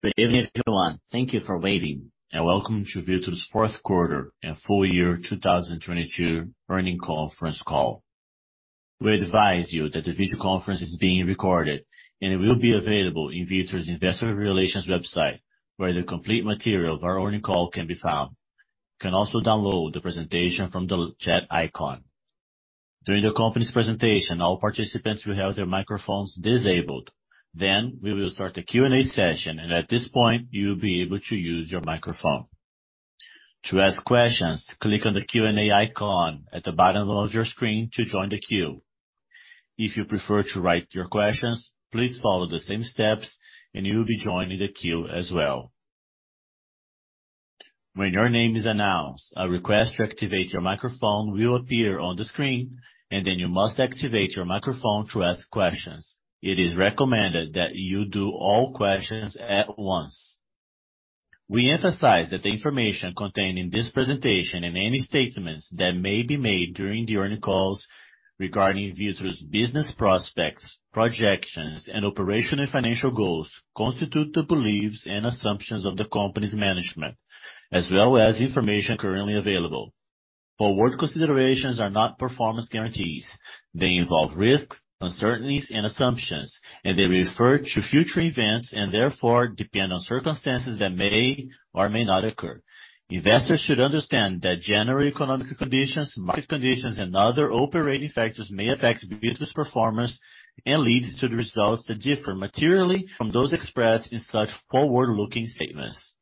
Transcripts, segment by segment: Thank you for waiting and Welcome to Vitru's Q4 and full year 2022 Earnings Conference Call. We advise you that the video conference is being recorded and it will be available in Vitru's Investor Relations website, where the complete material of our earnings call can be found. You can also download the presentation from the chat icon. During the company's presentation, all participants will have their microphones disabled. We will start the Q&A session, and at this point, you'll be able to use your microphone. To ask questions, click on the Q&A icon at the bottom of your screen to join the queue. If you prefer to write your questions, please follow the same steps, and you'll be joining the queue as well. When your name is announced, a request to activate your microphone will appear on the screen, and then you must activate your microphone to ask questions. It is recommended that you do all questions at once. We emphasize that the information contained in this presentation and any statements that may be made during the earnings calls regarding Vitru's business prospects, projections, and operational financial goals constitute the beliefs and assumptions of the company's management, as well as information currently available. Forward considerations are not performance guarantees. They involve risks, uncertainties and assumptions, and they refer to future events and therefore depend on circumstances that may or may not occur. Investors should understand that general economic conditions, market conditions, and other operating factors may affect Vitru's performance and lead to the results that differ materially from those expressed in such forward-looking statements.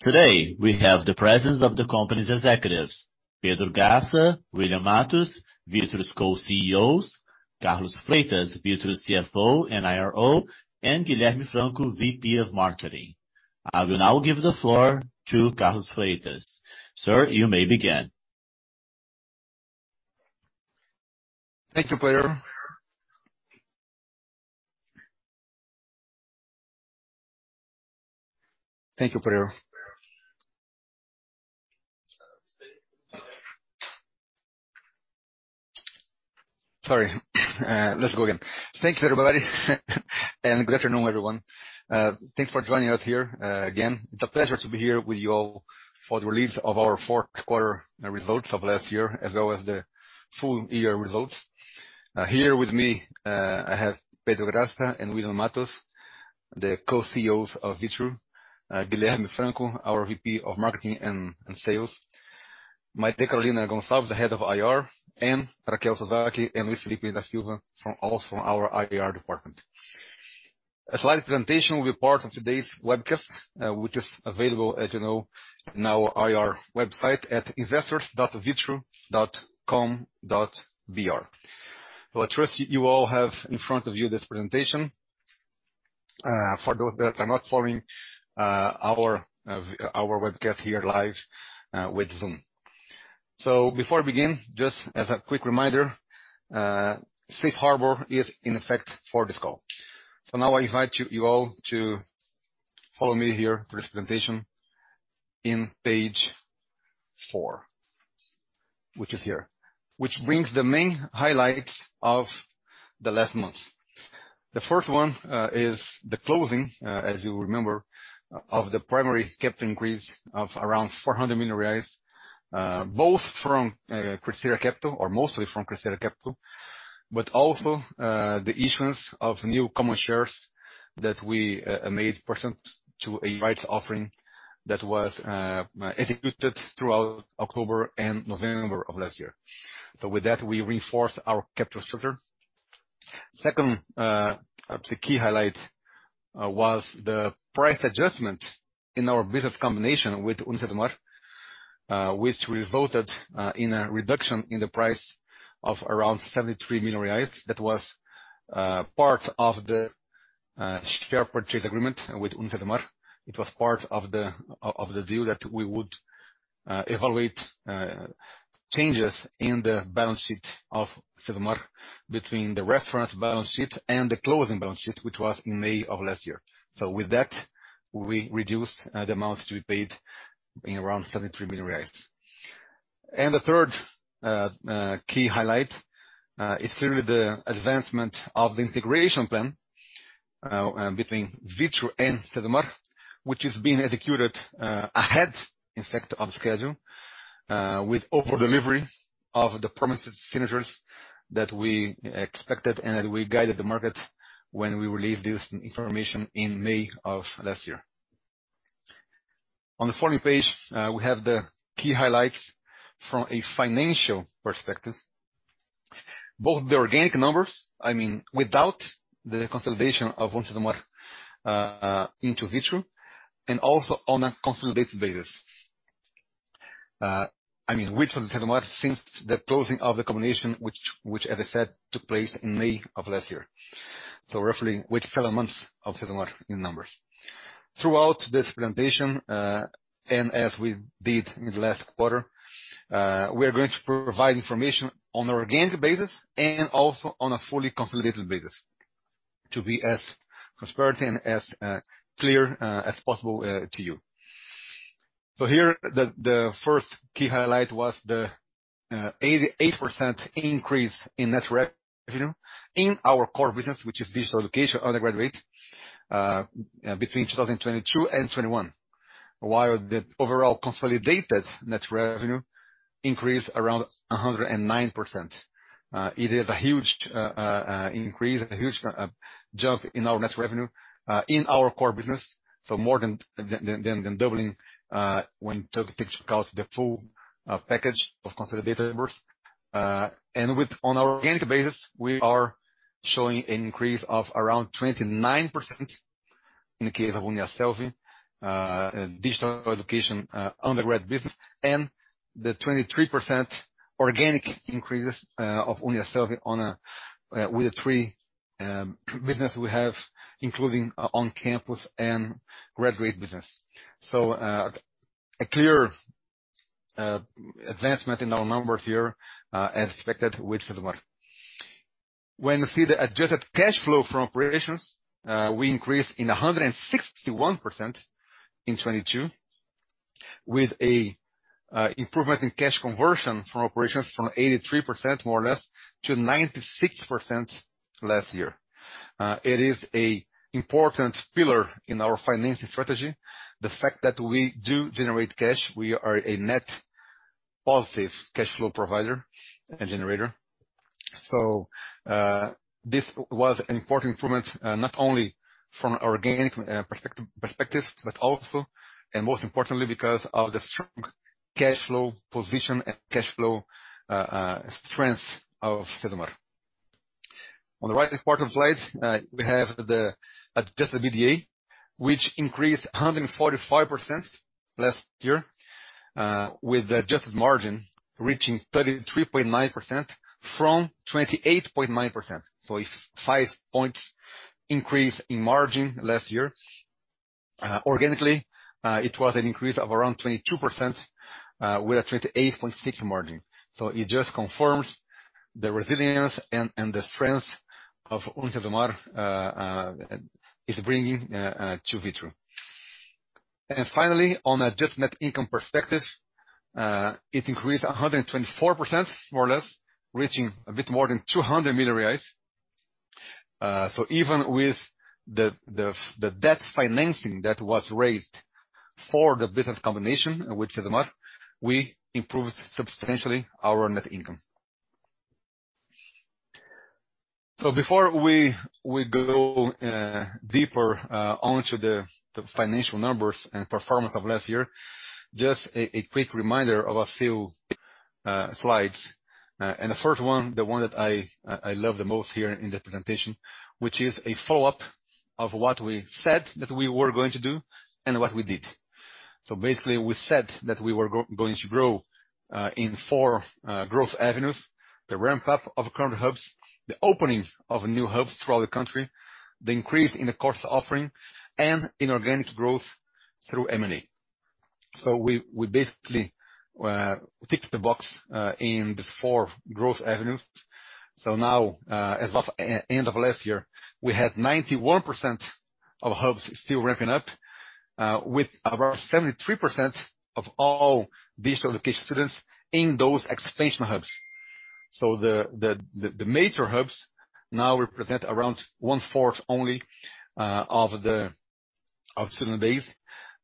Today, we have the presence of the company's executives, Pedro Graça, William Matos, Vitru's Co-CEOs, Carlos Freitas, Vitru's CFO and IRO, and Guilherme Franco, VP of Marketing. I will now give the floor to Carlos Freitas. Sir, you may begin. Thank you, Pedro. Thank you, Pedro. Sorry, let's go again. Thanks, everybody, and good afternoon, everyone. Thanks for joining us here again. It's a pleasure to be here with you all for the release of our Q4 results of last year as well as the full year results. Here with me, I have Pedro Graça and William Matos, the co-CEOs of Vitru. Guilherme Franco, our VP of Marketing and Sales. Maite Carolina Gonçalves, the head of IR, and Raquel Suzaki and Luis Felipe Da Silva also from our IR department. A slide presentation will be part of today's webcast, which is available, as you know, in our IR website at investors.vitru.com.br. I trust you all have in front of you this presentation, for those that are not following our webcast here live with Zoom. Before I begin, just as a quick reminder, safe harbor is in effect for this call. Now I invite you all to follow me here through this presentation in page four, which is here. Which brings the main highlights of the last month. The first one, is the closing, as you remember, of the primary capital increase of around 400 million reais, both from Crescera Capital, or mostly from Crescera Capital, but also, the issuance of new common shares that we made present to a rights offering that was executed throughout October and November of last year. With that, we reinforce our capital structure. Second, of the key highlights, was the price adjustment in our business combination with UniCesumar, which resulted in a reduction in the price of around 73 million reais. That was part of the share purchase agreement with UniCesumar. It was part of the deal that we would evaluate changes in the balance sheet of UniCesumar between the reference balance sheet and the closing balance sheet, which was in May of last year. With that, we reduced the amount to be paid in around 73 million reais. The third key highlight is certainly the advancement of the integration plan between Vitru and UniCesumar, which is being executed ahead in fact of schedule, with over-delivery of the promised synergies that we expected and that we guided the market when we released this information in May of last year. On the following page, we have the key highlights from a financial perspective. Both the organic numbers, I mean, without the consolidation of UniCesumar into Vitru, and also on a consolidated basis. I mean, with UniCesumar since the closing of the combination which as I said took place in May of last year. Roughly with seven months of UniCesumar in numbers. Throughout this presentation, and as we did in the last quarter, we're going to provide information on organic basis and also on a fully consolidated basis to be as transparent and as clear as possible to you. Here the first key highlight was the 8% increase in net revenue in our core business, which is digital education undergraduate, between 2022 and 2021. While the overall consolidated net revenue increased around 109%. It is a huge increase and a huge jump in our net revenue in our core business, more than doubling when taking into account the full package of consolidated numbers. On an organic basis, we are showing an increase of around 29% in the case of UNIASSELVI digital education undergrad business, and the 23% organic increases of UNIASSELVI on a with the three business we have, including on campus and graduate business. A clear advancement in our numbers here as expected with UniCesumar. When you see the adjusted cash flow from operations, we increased in 161% in 2022 with a improvement in cash conversion from operations from 83% more or less to 96% last year. It is an important pillar in our financing strategy. The fact that we do generate cash, we are a net positive cash flow provider and generator. This was an important improvement, not only from an organic perspectives, but also, and most importantly, because of the strong cash flow position and cash flow strength of UniCesumar. On the right-hand part of slides, we have the Adjusted EBITDA, which increased 145% last year, with the Adjusted margin reaching 33.9% from 28.9%. A five points increase in margin last year. Organically, it was an increase of around 22%, with a 28.6 margin. It just confirms the resilience and the strength of UniCesumar is bringing to Vitru. Finally, on Adjusted net income perspective, it increased 124% more or less, reaching a bit more than 200 million reais. Even with the debt financing that was raised for the business combination, which is a must, we improved substantially our net income. Before we go deeper onto the financial numbers and performance of last year, just a quick reminder of a few slides. The first one, the one that I love the most here in the presentation, which is a follow-up of what we said that we were going to do and what we did. Basically, we said that we were going to grow in four growth avenues, the ramp up of current hubs, the openings of new hubs throughout the country, the increase in the course offering, and inorganic growth through M&A. We basically ticked the box in these four growth avenues. Now, as of end of last year, we had 91% of hubs still ramping up with over 73% of all digital education students in those expansion hubs. The major hubs now represent around one-fourth only of the student base,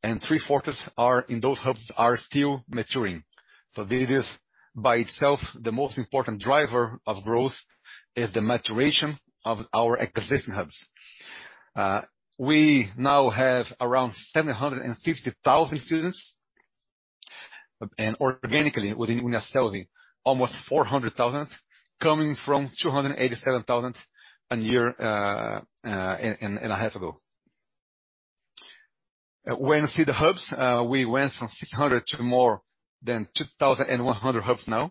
and three-fourths are in those hubs are still maturing. This is by itself the most important driver of growth is the maturation of our acquisition hubs. We now have around 750,000 students. Organically, within UNIASSELVI, almost 400,000, coming from 287,000 a year and a half ago. When see the hubs, we went from 600 to more than 2,100 hubs now.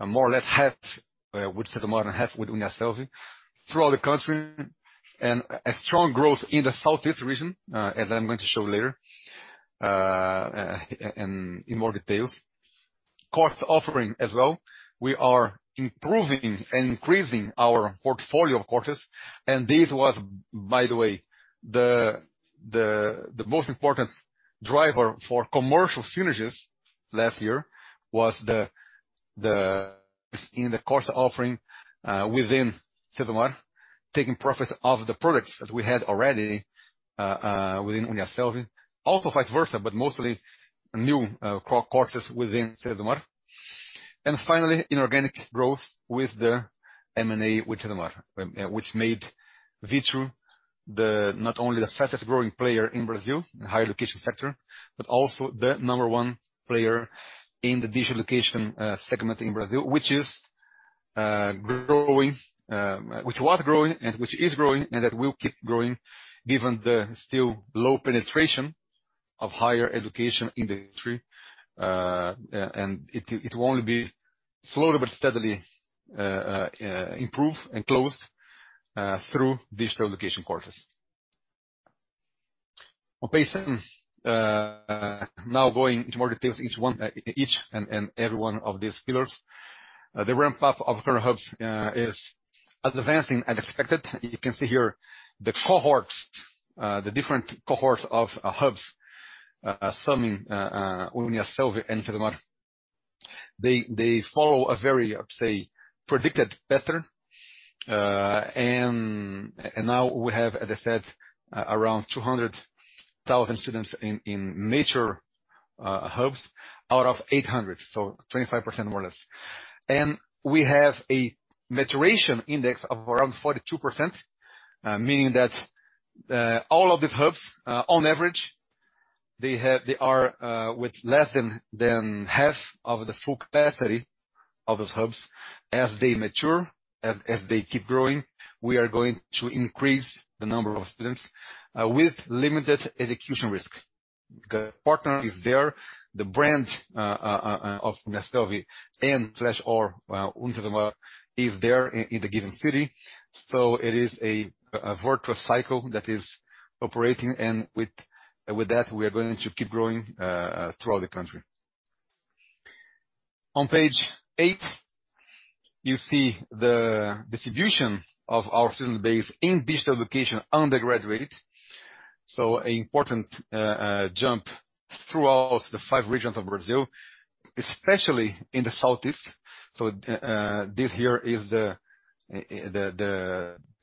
More or less half, with UniCesumar and half with UNIASSELVI throughout the country. A strong growth in the southeast region, as I'm going to show later, more details. Course offering as well. We are improving and increasing our portfolio of courses. This was, by the way, the most important driver for commercial synergies last year was the in the course offering, within UniCesumar, taking profit off the products that we had already within UNIASSELVI. Also vice versa, but mostly new, co-courses within UniCesumar. Finally, inorganic growth with the M&A with UniCesumar, which made Vitru the not only the fastest growing player in Brazil in higher education sector, but also the number one player in the digital education segment in Brazil, which is growing, which was growing and which is growing and that will keep growing given the still low penetration of higher education in the country. It will only be slowly but steadily improved and closed through digital education courses. On page seven, now going into more details, each and every one of these pillars. The ramp up of current hubs is advancing as expected. You can see here the cohorts, the different cohorts of hubs, summing UNIASSELVI and UniCesumar. They follow a very, I would say, predicted pattern. Now we have, as I said, around 200,000 students in mature hubs out of 800, so 25% more or less. We have a maturation index of around 42%, meaning that all of these hubs, on average, they are with less than half of the full capacity of those hubs. As they mature, as they keep growing, we are going to increase the number of students with limited execution risk. The partner is there. The brand of UNIASSELVI and slash or UniCesumar is there in the given city. It is a virtuous cycle that is operating. With that, we are going to keep growing throughout the country. On page eight, you see the distribution of our student base in digital education undergraduate. Important jump throughout the five regions of Brazil, especially in the Southeast. This here is the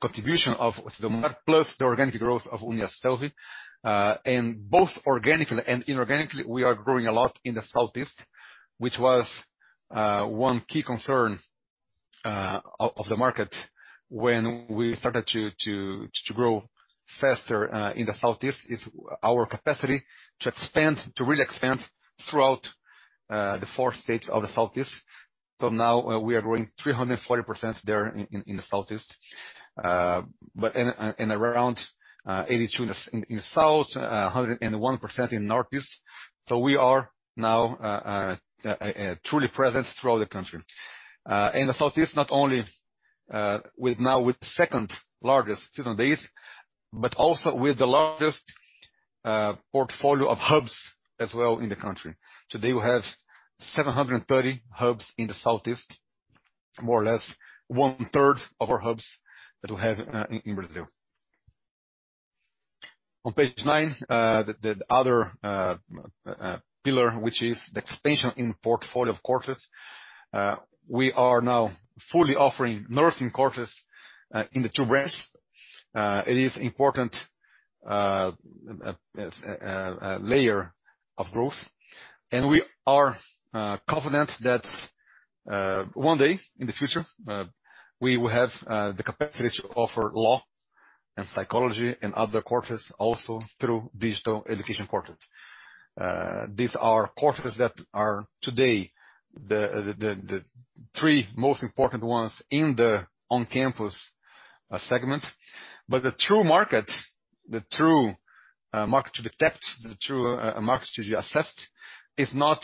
contribution of UniCesumar plus the organic growth of UNIASSELVI. Both organically and inorganically, we are growing a lot in the Southeast, which was one key concern of the market when we started to grow faster in the Southeast, is our capacity to expand, to really expand throughout the four states of the Southeast. Now we are growing 340% there in the Southeast, but in around 82 in the South, 101% in Northeast. We are now truly present throughout the country. In the Southeast, not only with now with the second-largest student base, but also with the largest portfolio of hubs as well in the country. Today we have 730 hubs in the Southeast, more or less 1/3 of our hubs that we have in Brazil. On page nine, the other pillar, which is the expansion in portfolio of courses. We are now fully offering nursing courses in the two brands. It is important, a layer of growth. We are confident that one day in the future, we will have the capacity to offer law and psychology and other courses also through digital education courses. These are courses that are today the three most important ones in the on-campus segments. The true market, the true market to be tapped, the true market to be assessed is not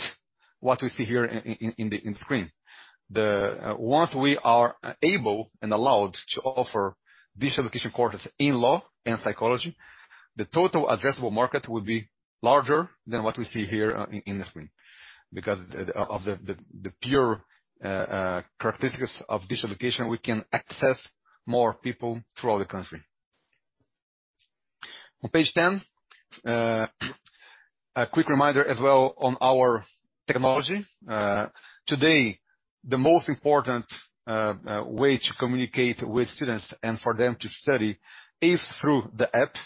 what we see here in the screen. Once we are able and allowed to offer digital education courses in law and psychology, the total addressable market will be larger than what we see here in the screen. Because of the pure characteristics of digital education, we can access more people throughout the country. On page 10, a quick reminder as well on our technology. Today, the most important way to communicate with students and for them to study is through the apps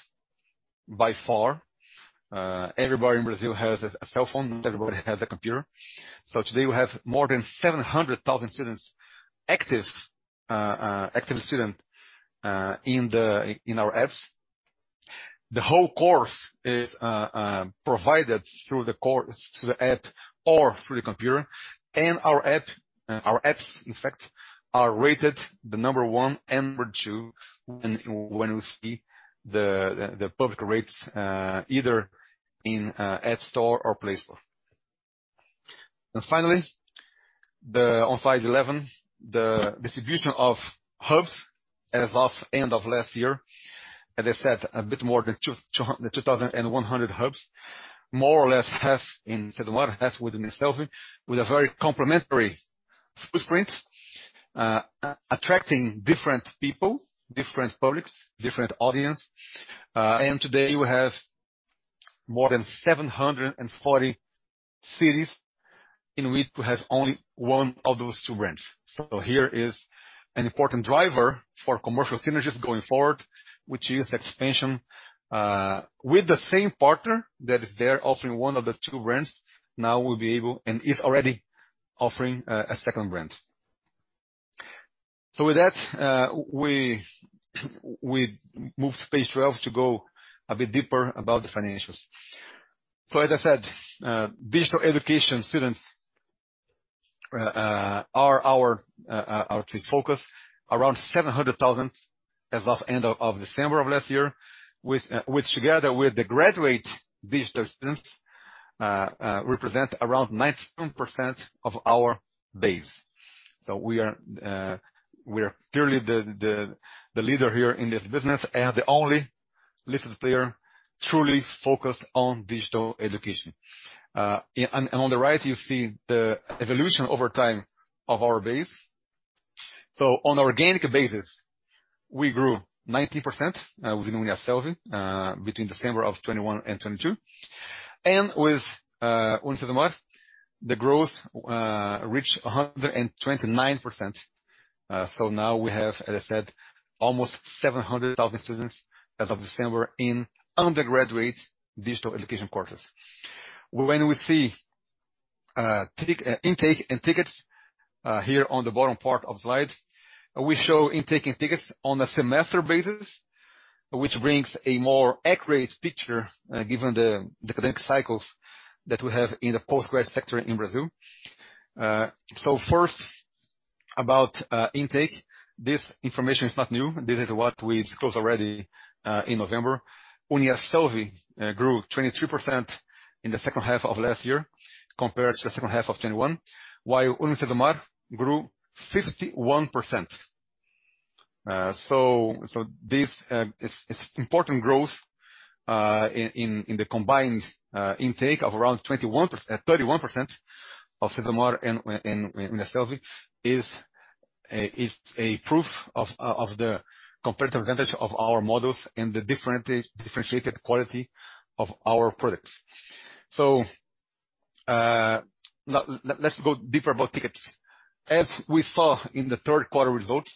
by far. Everybody in Brazil has a cell phone, everybody has a computer. Today we have more than 700,000 students active student in our apps. The whole course is provided through the app or through the computer. Our apps, in fact, are rated the number one and number two when you see the public rates either in App Store or Google Play. Finally, on slide 11, the distribution of hubs as of end of last year. As I said, a bit more than 2,100 hubs, more or less half in UniCesumar, half with UNIASSELVI, with a very complementary footprint, attracting different people, different publics, different audience. Today we have more than 740 cities in which we have only one of those two brands. Here is an important driver for commercial synergies going forward, which is expansion, with the same partner that is there offering one of the two brands, now will be able and is already offering a second brand. With that, we move to page 12 to go a bit deeper about the financials. As I said, digital education students are our case focus. Around 700,000 as of end of December of last year, together with the graduate digital students, represent around 19% of our base. We are clearly the leader here in this business and the only Listened there, truly focused on digital education. And on the right, you see the evolution over time of our base. On organic basis, we grew 19% within UNIASSELVI between December of 2021 and 2022. With UniCesumar, the growth reached 129%. Now we have, as I said, almost 700,000 students as of December in undergraduate digital education courses. When we see intake and tickets here on the bottom part of the slide, we show intake and tickets on a semester basis, which brings a more accurate picture given the academic cycles that we have in the postgrad sector in Brazil. First about intake. This information is not new. This is what we disclosed already in November. UNIASSELVI grew 23% in the second half of last year compared to the second half of 2021. While UniCesumar grew 51%. This is important growth in the combined intake of around 31% of UniCesumar and UNIASSELVI is a proof of the competitive advantage of our models and the differentiated quality of our products. Let's go deeper about tickets. As we saw in the Q3 results,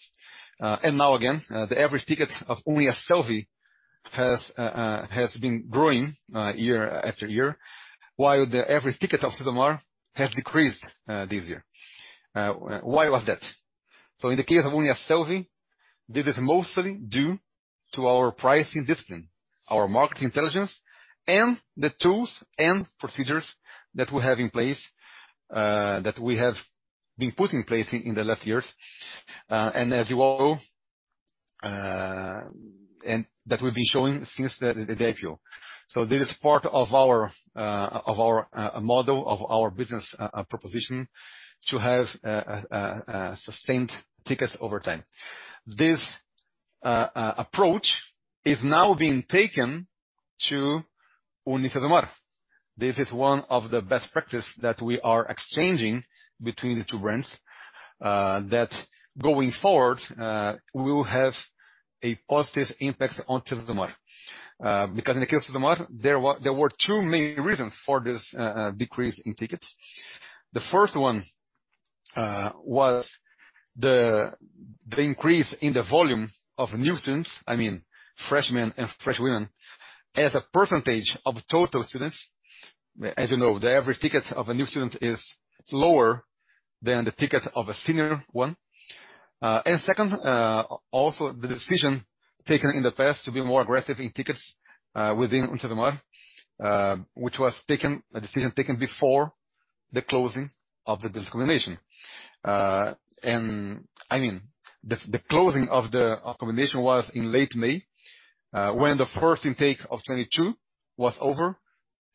now again, the average tickets of UNIASSELVI has been growing year after year, while the average ticket of UniCesumar has decreased this year. Why was that? In the case of UNIASSELVI, this is mostly due to our pricing discipline, our market intelligence, and the tools and procedures that we have been put in place in the last years. As you all know, and that we've been showing since the debut. This is part of our of our model, of our business proposition to have sustained tickets over time. This approach is now being taken to UniCesumar. This is one of the best practice that we are exchanging between the two brands that going forward will have a positive impact on UniCesumar. Because in the case of UniCesumar, there were two main reasons for this decrease in tickets. The first one was the increase in the volume of new students, I mean, freshmen and freshwomen, as a percentage of total students. As you know, the average ticket of a new student is lower than the ticket of a senior one. second, also the decision taken in the past to be more aggressive in tickets within UniCesumar, which was a decision taken before the closing of the discrimination. I mean, the closing of the accommodation was in late May, when the first intake of 2022 was over,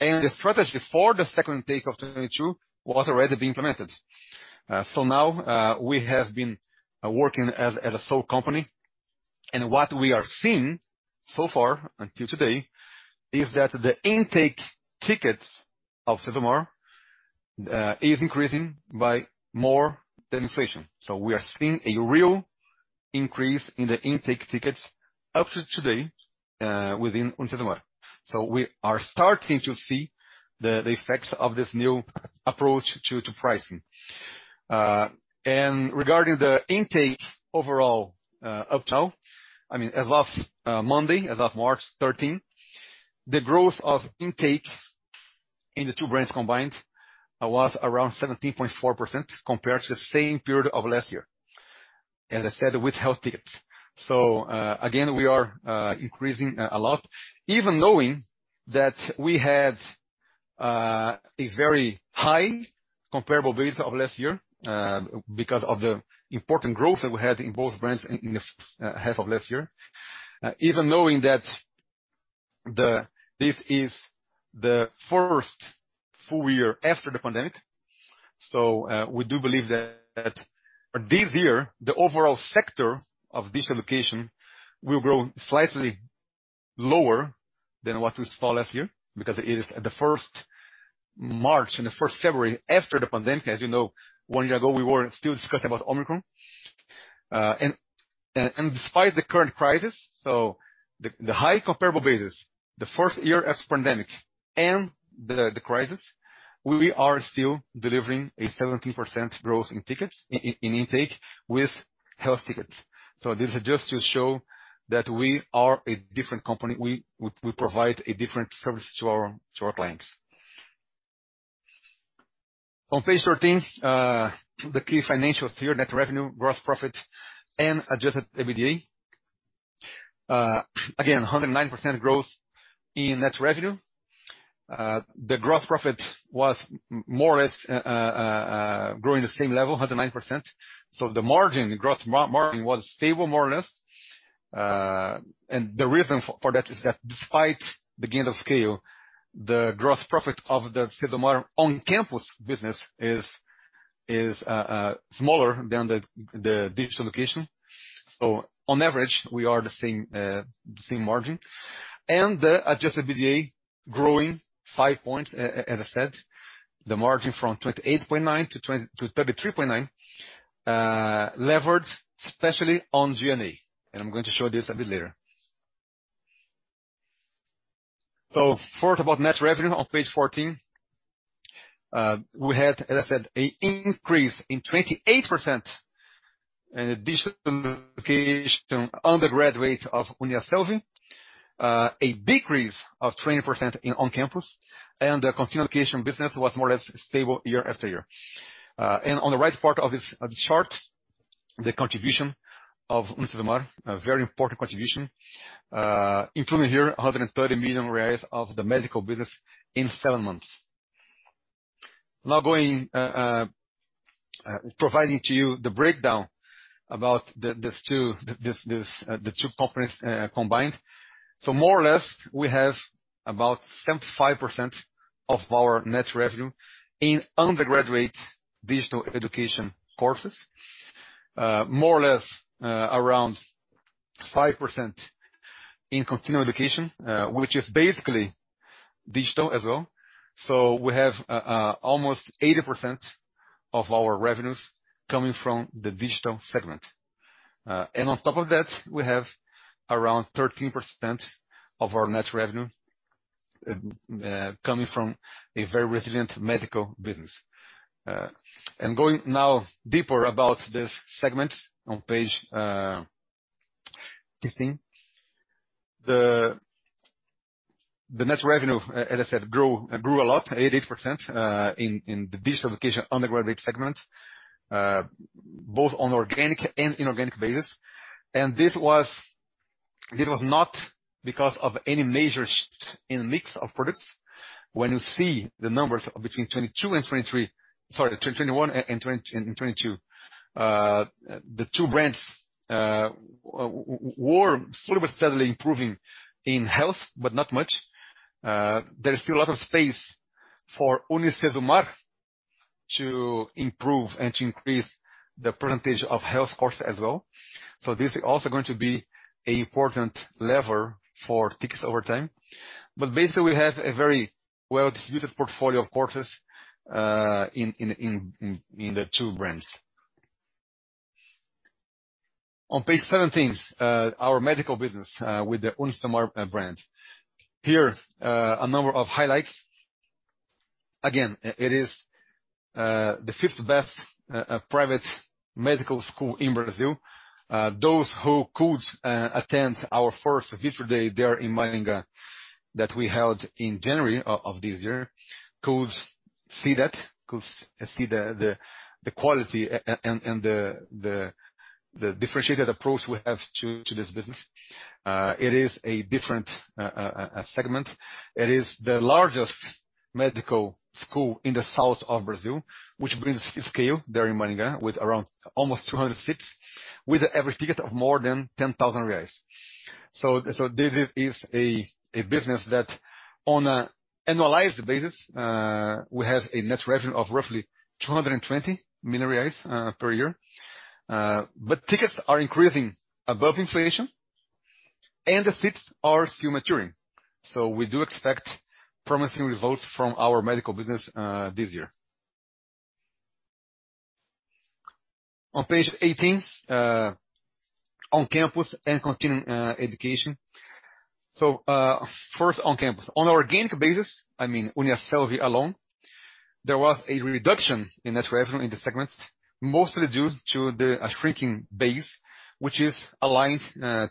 and the strategy for the second intake of 2022 was already being implemented. now, we have been working as a sole company. What we are seeing so far until today is that the intake tickets of UniCesumar is increasing by more than inflation. We are seeing a real increase in the intake tickets up to today within UniCesumar. We are starting to see the effects of this new approach to pricing. Regarding the intake overall, up till, I mean, as of Monday, as of March 13, the growth of intake in the two brands combined was around 17.4% compared to the same period of last year. As I said, with health tickets. Again, we are increasing a lot, even knowing that we had a very high comparable base of last year, because of the important growth that we had in both brands in the half of last year. Even knowing that this is the first full year after the pandemic. We do believe that this year, the overall sector of digital education will grow slightly lower than what we saw last year, because it is the first March and the first February after the pandemic. As you know, one year ago, we were still discussing about Omicron. Despite the current crisis. The high comparable basis, the first year as pandemic and the crisis, we are still delivering a 17% growth in intake with health tickets. This is just to show that we are a different company. We provide a different service to our clients. On page 13, the key financials here, net revenue, gross profit and adjusted EBITDA. Again, a 109% growth in net revenue. The gross profit was more or less growing the same level, 109%. The gross margin was stable, more or less. The reason for that is that despite the gain of scale, the gross profit of the UniCesumar on-campus business is smaller than the digital education. On average, we are the same the same margin. The adjusted EBITDA growing five points, as I said. The margin from 28.9 to 33.9, levered especially on G&A. I'm going to show this a bit later. First about net revenue on page 14. We had, as I said, a increase in 28% digital education undergraduate of UNIASSELVI, a decrease of 20% in on-campus, and the continuing education business was more or less stable year after year. On the right part of this, of this chart, the contribution of UniCesumar, a very important contribution, including here 130 million reais of the medical business in seven months. Now going providing to you the breakdown about the two companies combined. More or less, we have about 75% of our net revenue in undergraduate digital education courses. More or less, around 5% in continuing education, which is basically digital as well. We have almost 80% of our revenues coming from the digital segment. On top of that, we have around 13% of our net revenue coming from a very resilient medical business. Going now deeper about this segment on page 15. The net revenue, as I said, grew a lot, 88% in the digital education undergraduate segment, both on organic and inorganic basis. This was not because of any measures in mix of products. When you see the numbers between 2022 and 2023. Sorry, 2021 and 2022, the two brands were slowly but steadily improving in health, but not much. There is still a lot of space for UniCesumar to improve and to increase the percentage of health courses as well. This is also going to be an important lever for tickets over time. Basically, we have a very well-distributed portfolio of courses in the two brands. On page 17, our medical business with the UniCesumar brand. Here, a number of highlights. Again, it is the fifth best private medical school in Brazil. Those who could attend our first Investor Day there in Maringá that we held in January of this year could see that, could see the quality and the differentiated approach we have to this business. It is a different segment. It is the largest medical school in the south of Brazil, which brings scale there in Maringá with around almost 200 seats, with an average ticket of more than 10,000 reais. This is a business that on an annualized basis, we have a net revenue of roughly 220 million reais per year. Tickets are increasing above inflation, and the seats are still maturing. We do expect promising results from our medical business this year. On page 18, on-campus and continuing education. First on-campus. On organic basis, I mean, UNIASSELVI alone, there was a reduction in net revenue in the segments, mostly due to the shrinking base, which is aligned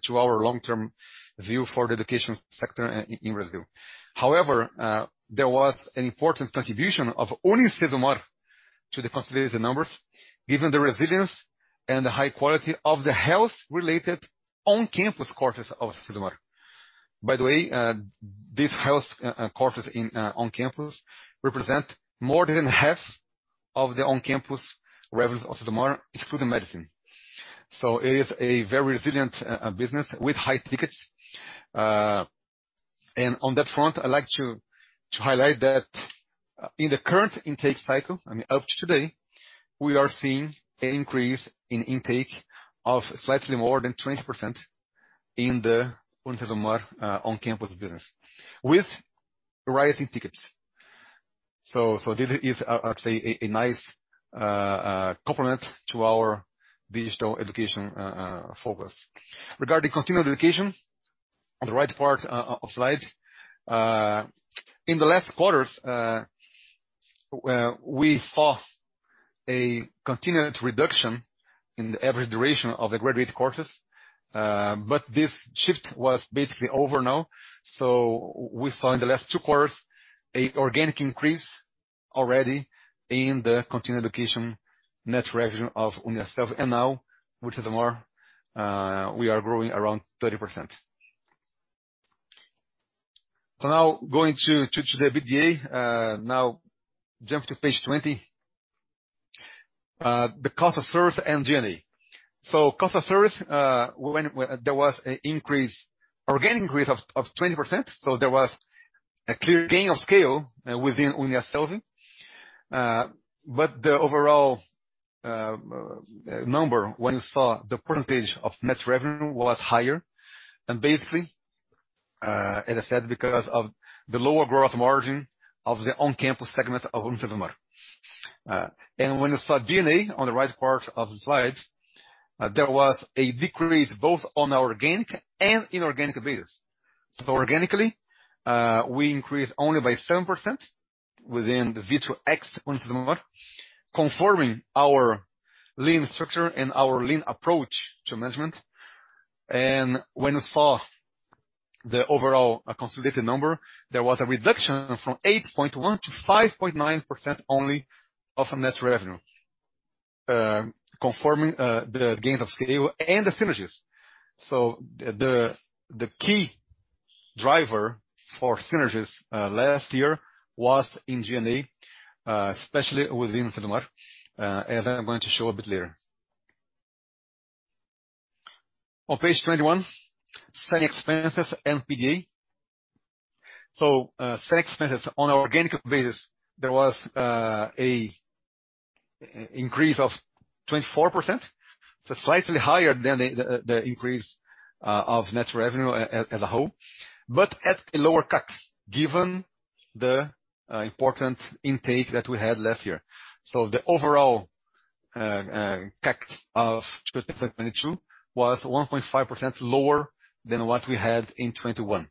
to our long-term view for the education sector in Brazil. However, there was an important contribution of UniCesumar to the consolidated numbers, given the resilience and the high quality of the health-related on-campus courses of UniCesumar. By the way, these health courses in on-campus represent more than half of the on-campus revenues of UniCesumar, excluding medicine. It is a very resilient business with high tickets. On that front, I'd like to highlight that in the current intake cycle, I mean, up to today, we are seeing an increase in intake of slightly more than 20% in the UniCesumar on-campus business with a rise in tickets. This is actually a nice complement to our digital education focus. Regarding continuing education, on the right part of slide. In the last quarters, we saw a continuous reduction in the average duration of the graduate courses, but this shift was basically over now. We saw in the last two quarters a organic increase already in the continuing education net revenue of UNIASSELVI. Now, UniCesumar, we are growing around 30%. Now going to the EBITDA. Now jump to page 20. The cost of service and G&A. Cost of service, there was an organic increase of 20%. There was a clear gain of scale within UNIASSELVI, but the overall number when you saw the percentage of net revenue was higher. Basically, as I said, because of the lower growth margin of the on-campus segment of UniCesumar. When you saw G&A on the right part of the slide, there was a decrease both on organic and inorganic basis. Organically, we increased only by 7% within the V to X UniCesumar, confirming our lean structure and our lean approach to management. When you saw the overall consolidated number, there was a reduction from 8.1% to 5.9% only of net revenue, confirming the gains of scale and the synergies. The key driver for synergies last year was in G&A, especially within UniCesumar, as I'm going to show a bit later. On page 21, selling expenses and PDA. Selling expenses on organic basis, there was a increase of 24%. Slightly higher than the increase of net revenue as a whole, but at a lower CAC given the important intake that we had last year. The overall CAC of 2022 was 1.5% lower than what we had in 2021.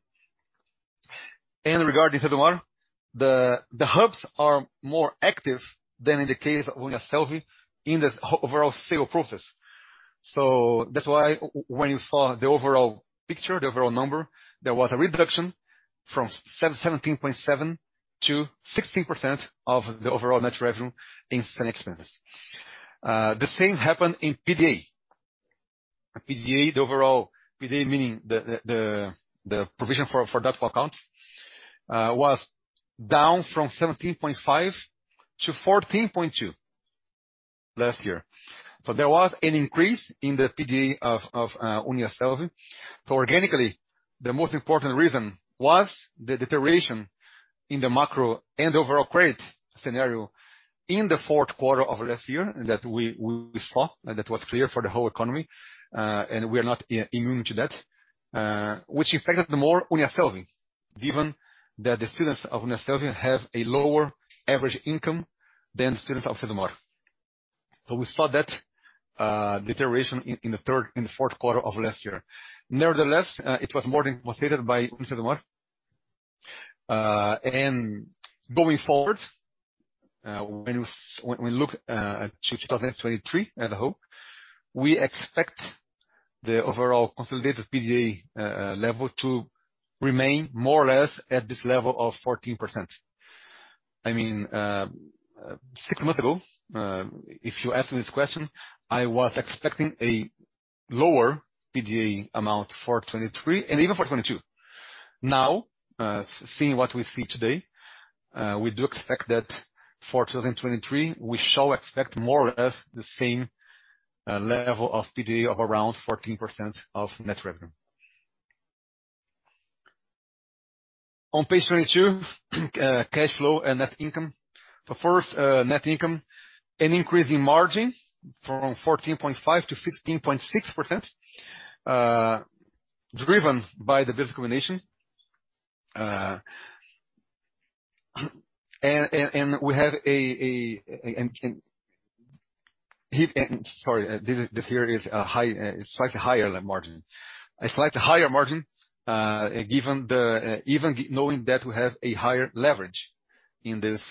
Regarding UniCesumar, the hubs are more active than in the case of UNIASSELVI in the overall sales process. That's why when you saw the overall picture, the overall number, there was a reduction from 17.7% to 16% of the overall net revenue in selling expenses. The same happened in PDA. PDA, the overall PDA meaning the provision for doubtful accounts, was down from 17.5 to 14.2 last year. There was an increase in the PDA of UNIASSELVI. Organically, the most important reason was the deterioration in the macro and overall credit scenario in the Q4 of last year that we saw, and that was clear for the whole economy. And we are not immune to that, which impacted more UNIASSELVI, given that the students of UNIASSELVI have a lower average income than students of Unicesumar. We saw that deterioration in the Q4 of last year. Nevertheless, it was more than compensated by Unicesumar. Going forward, when we look to 2023 as a whole, we expect the overall consolidated PDA level to remain more or less at this level of 14%. I mean, six months ago, if you ask me this question, I was expecting a lower PDA amount for 2023 and even for 2022. Now, seeing what we see today, we do expect that for 2023, we shall expect more or less the same level of PDA of around 14% of net revenue. On page 22, cash flow and net income. First, net income, an increase in margin from 14.5% to 15.6%, driven by the business combination. We have. Sorry, this here is a high, slightly higher margin. A slightly higher margin, given the even knowing that we have a higher leverage in this,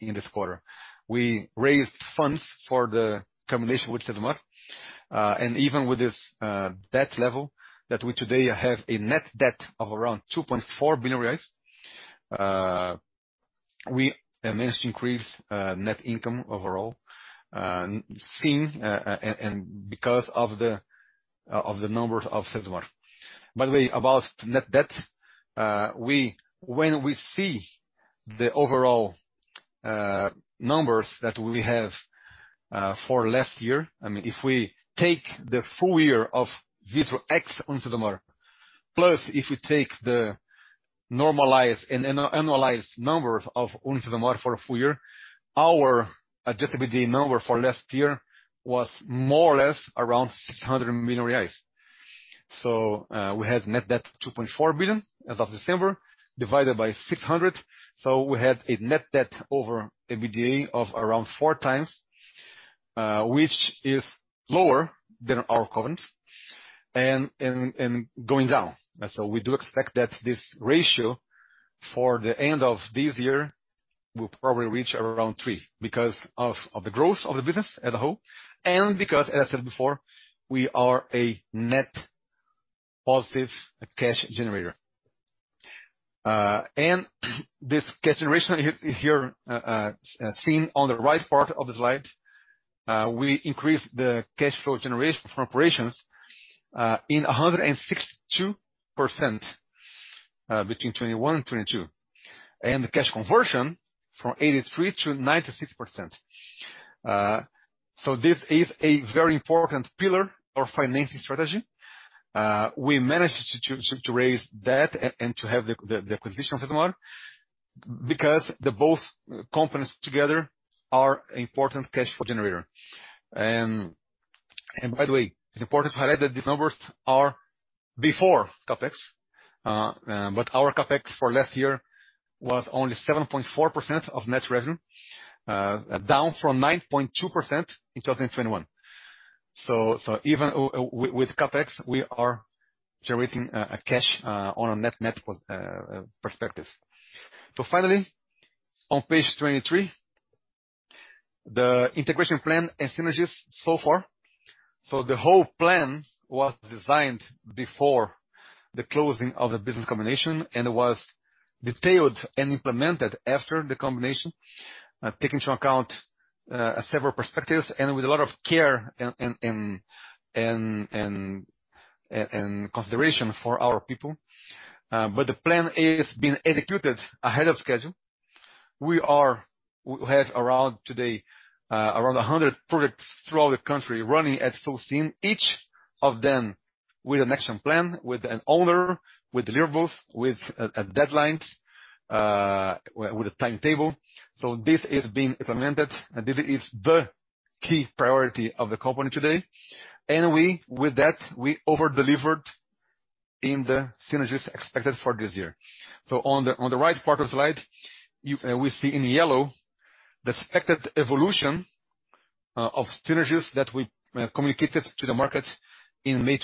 in this quarter. We raised funds for the combination with UniCesumar. Even with this debt level that we today have a net debt of around 2.4 billion reais, we managed to increase net income overall, seeing, and because of the numbers of UniCesumar. By the way, about net debt, when we see the overall numbers that we have for last year, I mean, if we take the full year of Vitru x UniCesumar, plus if we take the normalized and annualized numbers of UniCesumar for a full year, our adjusted EBITDA number for last year was more or less around 600 million reais. We had net debt 2.4 billion as of December, divided by 600. We had a net debt over EBITDA of around four times, which is lower than our covenants and going down. We do expect that this ratio, for the end of this year, will probably reach around three because of the growth of the business as a whole and because, as I said before, we are a net positive cash generator. This cash generation here, seen on the right part of the slide, we increased the cash flow generation from operations in 162%. Between 2021 and 2022. The cash conversion from 83% to 96%. This is a very important pillar of financing strategy. We managed to raise debt and to have the acquisition of Cidomar because both companies together are important cash flow generator. By the way, it's important to highlight that these numbers are before CapEx. Our CapEx for last year was only 7.4% of net revenue, down from 9.2% in 2021. Even with CapEx, we are generating cash on a net-net perspective. Finally, on page 23, the integration plan and synergies so far. The whole plan was designed before the closing of the business combination, and was detailed and implemented after the combination, take into account several perspectives and with a lot of care and consideration for our people. The plan is being executed ahead of schedule. We have around today, around 100 products throughout the country running at full steam, each of them with an action plan, with an owner, with deliverables, with deadlines, with a timetable. This is being implemented, and this is the key priority of the company today. We, with that, we over-delivered in the synergies expected for this year. On the, on the right part of the slide, you, we see in yellow the expected evolution of synergies that we communicated to the market in May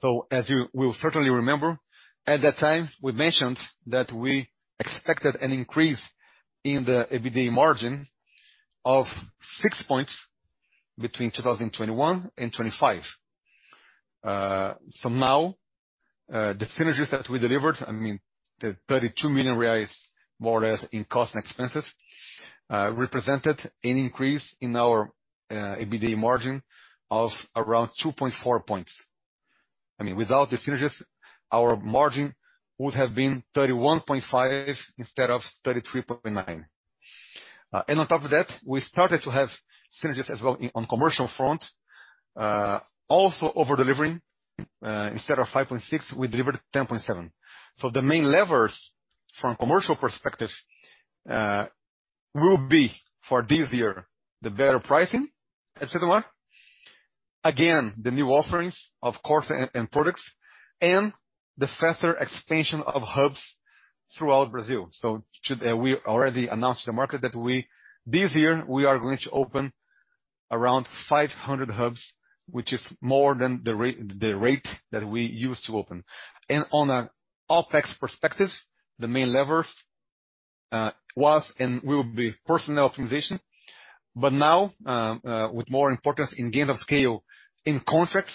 2022. As you will certainly remember, at that time, we mentioned that we expected an increase in the EBITDA margin of six points between 2021 and 2025. Now, the synergies that we delivered, I mean, the 32 million reais, more or less, in cost and expenses, represented an increase in our EBITDA margin of around 2.4 points. I mean, without the synergies, our margin would have been 31.5 instead of 33.9. And on top of that, we started to have synergies as well on commercial front, also over-delivering. Instead of 5.6, we delivered 10.7. The main levers from commercial perspective will be for this year, the better pricing at Cidomar, again, the new offerings, of course, and products, and the faster expansion of hubs throughout Brazil. We already announced to the market that this year, we are going to open around 500 hubs, which is more than the rate that we used to open. On an OpEx perspective, the main lever was and will be personnel optimization. Now, with more importance in gains of scale in contracts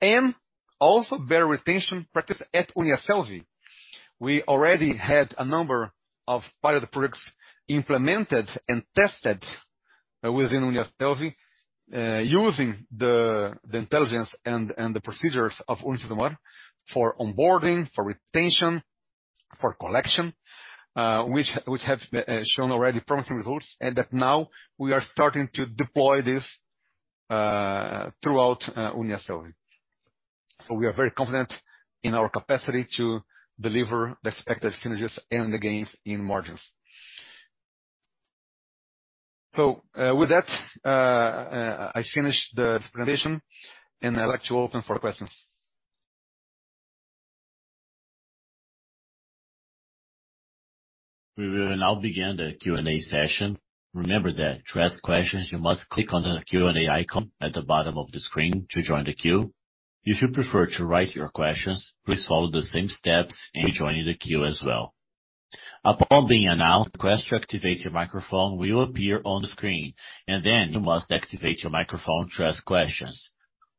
and also better retention practice at UNIASSELVI. We already had a number of pilot projects implemented and tested within UNIASSELVI, using the intelligence and the procedures of UniCesumar for onboarding, for retention, for collection, which have shown already promising results, and that now we are starting to deploy this throughout UNIASSELVI. We are very confident in our capacity to deliver the expected synergies and the gains in margins. With that, I finish the presentation, and I'd like to open for questions. We will now begin the Q&A session. Remember that to ask questions, you must click on the Q&A icon at the bottom of the screen to join the queue. If you prefer to write your questions, please follow the same steps in joining the queue as well. Upon being announced, a request to activate your microphone will appear on the screen, and then you must activate your microphone to ask questions.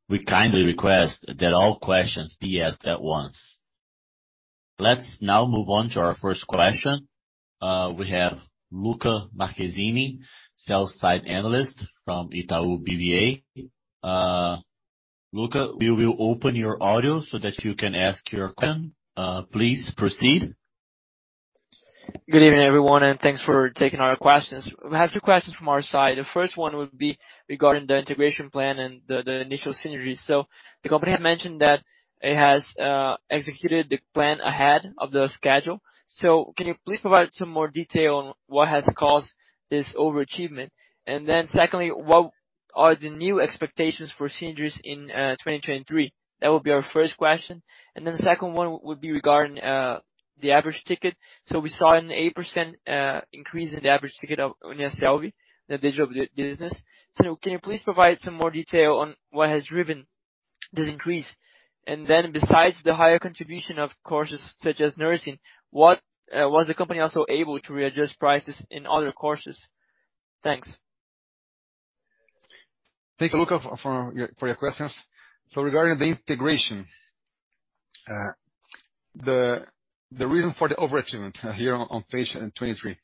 We kindly request that all questions be asked at once. Let's now move on to our first question. We have Luca Marchesini, sell-side analyst from Itaú BBA. Luca, we will open your audio so that you can ask your question. Please proceed. Good evening, everyone, and thanks for taking our questions. We have two questions from our side. The first one would be regarding the integration plan and the initial synergies. The company had mentioned that it has executed the plan ahead of the schedule. Can you please provide some more detail on what has caused this overachievement? Secondly, what are the new expectations for synergies in 2023? That would be our first question. The second one would be regarding the average ticket. We saw an 8% increase in the average ticket of UNIASSELVI, the digital business. Can you please provide some more detail on what has driven this increase? Besides the higher contribution of courses such as nursing, what was the company also able to readjust prices in other courses? Thanks. Thank you, Luca, for your questions. Regarding the integration, the reason for the overachievement here on page 23.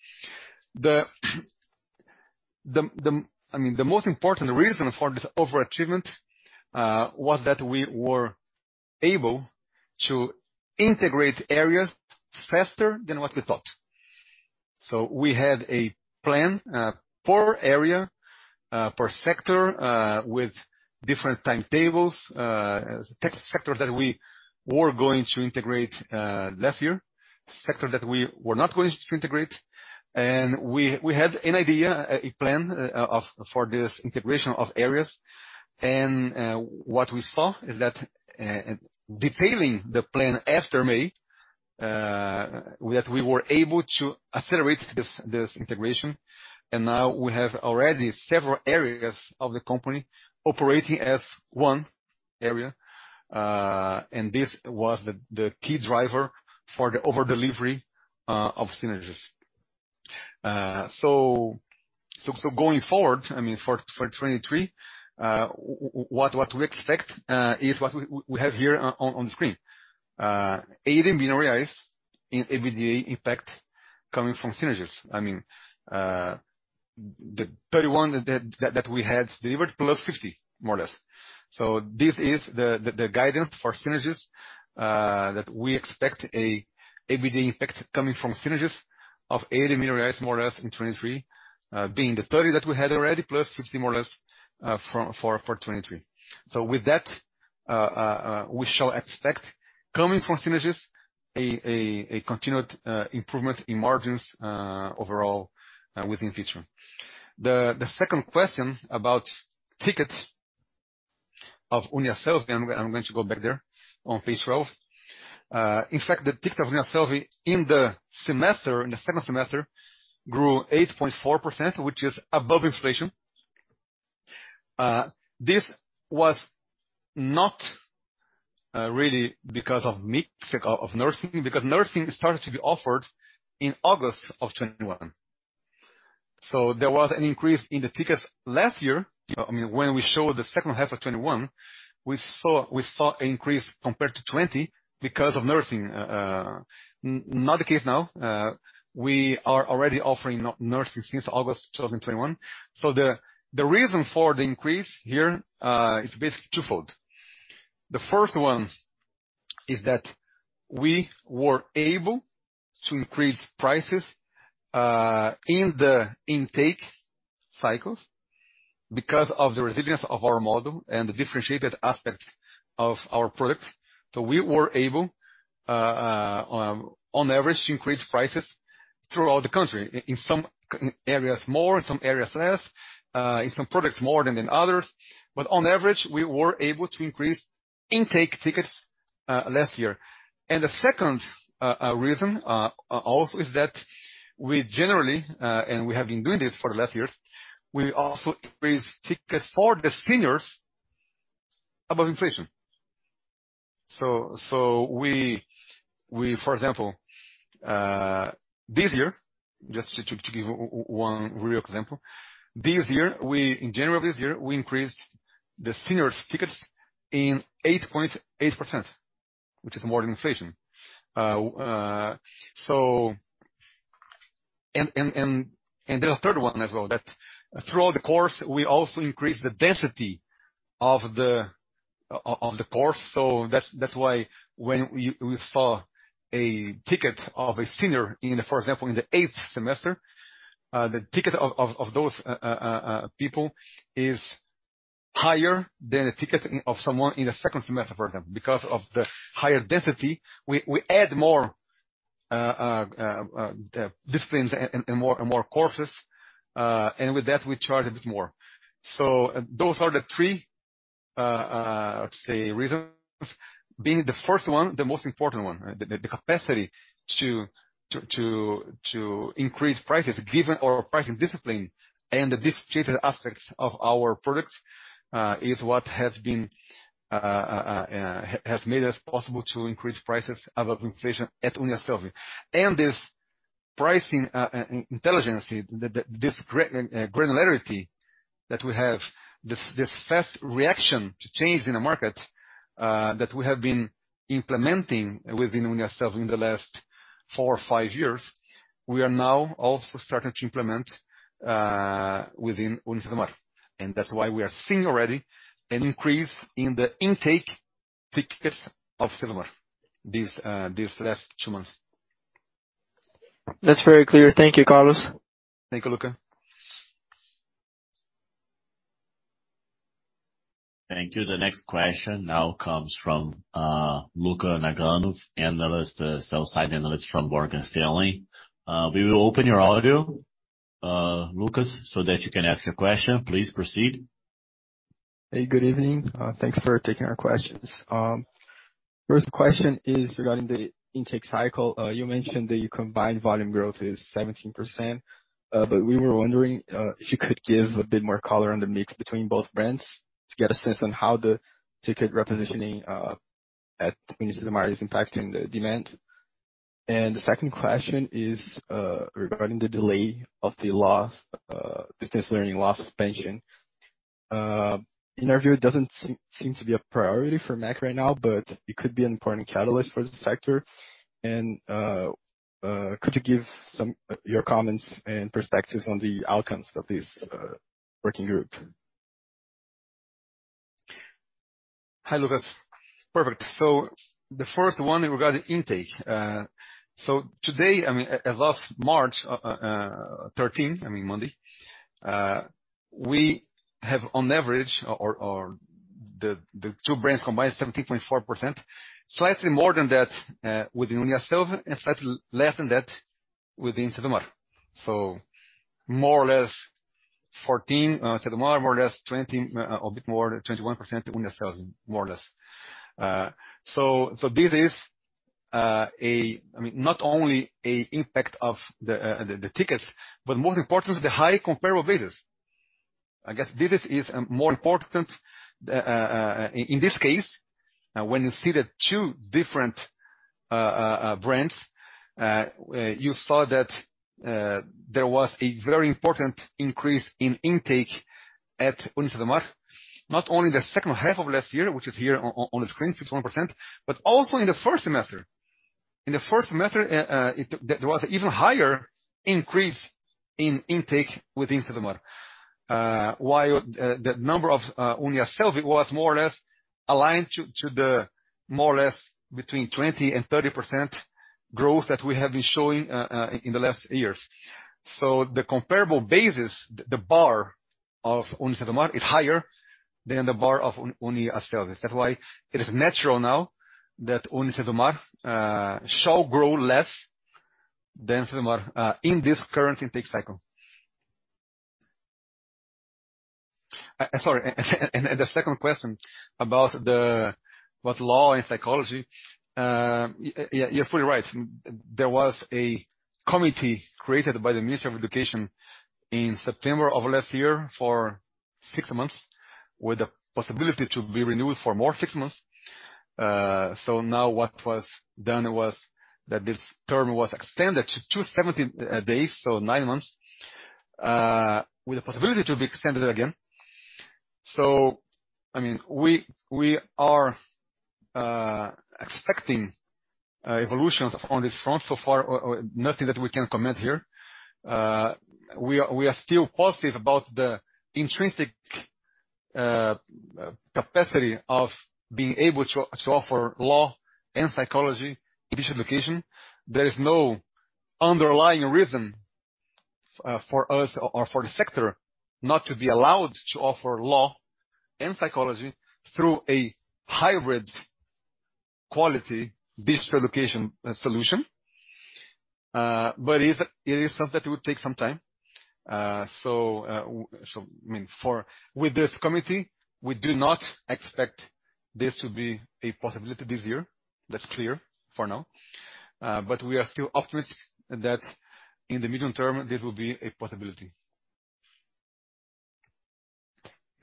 I mean, the most important reason for this over-achievement was that we were able to integrate areas faster than what we thought. We had a plan per area, per sector, with different timetables. Tech sector that we were going to integrate last year. Sector that we were not going to integrate. We had an idea, a plan for this integration of areas. What we saw is that detailing the plan after May, we were able to accelerate this integration, and now we have already several areas of the company operating as one area. This was the key driver for the over-delivery of synergies. I mean, for 2023, what we expect is what we have here on the screen. 80 million in EBITDA impact coming from synergies. I mean, the 31 that we had delivered plus 50, more or less. This is the guidance for synergies that we expect a EBITDA impact coming from synergies of 80 million reais, more or less, in 2023. Being the 30 that we had already, plus 50 more or less, for 2023. With that, we shall expect coming from synergies a continued improvement in margins overall within the future. The second question about tickets of UNIASSELVI, I'm going to go back there on page 12. In fact, the ticket of UNIASSELVI in the semester, in the second semester, grew 8.4%, which is above inflation. This was not really because of mix of nursing, because nursing started to be offered in August of 2021. There was an increase in the tickets last year. I mean, when we showed the second half of 2021, we saw an increase compared to 2020 because of nursing. Not the case now. We are already offering nursing since August 2021. The reason for the increase here is basically twofold. The first one is that we were able to increase prices in the intake cycles because of the resilience of our model and the differentiated aspects of our products. We were able, on average, to increase prices throughout the country. In some areas more, in some areas less, in some products more than in others. On average, we were able to increase intake tickets last year. The second reason also is that we generally, and we have been doing this for the last years, we also increase tickets for the seniors above inflation. We for example, this year, just to give one real example. This year, in January of this year, we increased the seniors tickets in 8.8%, which is more than inflation. So there's a third one as well, that throughout the course, we also increase the density of the course. That's, that's why when we saw a ticket of a senior in, for example, in the eighth semester, the ticket of those people is higher than a ticket of someone in the second semester, for example. Because of the higher density, we add more disciplines and more courses. And with that, we charge a bit more. Those are the three, how to say, reasons. Being the first one, the most important one, right? The capacity to increase prices given our pricing discipline and the differentiated aspects of our products, is what has been made us possible to increase prices above inflation at UNIASSELVI. This pricing, intelligence, this granularity that we have, this fast reaction to change in the market, that we have been implementing within UNIASSELVI in the last four or five years, we are now also starting to implement within UniCesumar. That's why we are seeing already an increase in the intake tickets of Cesumar these last two months. That's very clear. Thank you, Carlos. Thank you, Luca. Thank you. The next question now comes from Luca Nagano, analyst, sell-side analyst from Morgan Stanley. We will open your audio, Lucas, so that you can ask a question. Please proceed. Hey, good evening. Thanks for taking our questions. First question is regarding the intake cycle. You mentioned that your combined volume growth is 17%. We were wondering if you could give a bit more color on the mix between both brands to get a sense on how the ticket repositioning at UniCesumar is impacting the demand. The second question is regarding the delay of the laws, distance learning law suspension. In our view, it doesn't seem to be a priority for MEC right now, but it could be an important catalyst for the sector. Could you give your comments and perspectives on the outcomes of this working group? Hi, Lucas. Perfect. The first one regarding intake. Today, I mean, as of March 13, I mean Monday, we have on average or the two brands combined, 17.4%, slightly more than that within UNIASSELVI and slightly less than that within UniCesumar. More or less 14 UniCesumar, more or less 20, a bit more, 21% UNIASSELVI, more or less. This is I mean, not only a impact of the tickets, but most importantly the high comparable basis. I guess this is more important in this case when you see the two different brands, you saw that there was a very important increase in intake at UniCesumar, not only in the second half of last year, which is here on the screen, 51%, but also in the first semester. In the first semester, there was even higher increase in intake within UniCesumar. While the number of UNIASSELVI was more or less aligned to the more or less between 20%-30% growth that we have been showing in the last years. The comparable basis, the bar of UniCesumar is higher than the bar of UNIASSELVI. That's why it is natural now that UniCesumar shall grow less than UniCesumar in this current intake cycle. Sorry. The second question about with law and psychology, you're fully right. There was a committee created by the Ministry of Education in September of last year for six months, with the possibility to be renewed for more six months. Now what was done was that this term was extended to 270 days, so nine months, with the possibility to be extended again. I mean, we are expecting evolutions on this front. So far, nothing that we can comment here. We are still positive about the intrinsic capacity of being able to offer law and psychology digital education. There is no underlying reason for us or for the sector not to be allowed to offer law and psychology through a hybrid quality digital education solution. It is something that will take some time. I mean, with this committee, we do not expect this to be a possibility this year. That's clear for now. We are still optimistic that in the medium term, this will be a possibility.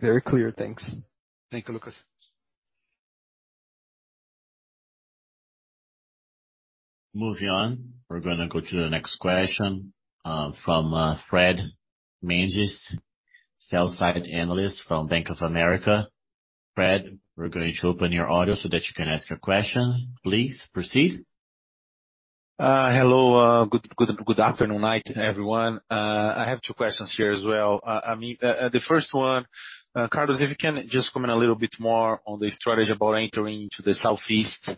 Very clear. Thanks. Thank you, Lucas. Moving on. We're gonna go to the next question, from Fred Mendes, sell-side analyst from Bank of America. Fred, we're going to open your audio so that you can ask your question. Please proceed. Hello. Good afternoon, night, everyone. I have two questions here as well. I mean, the first one, Carlos, if you can just comment a little bit more on the strategy about entering into the Southeast.